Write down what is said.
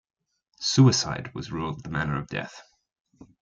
Suicide was ruled the manner of death.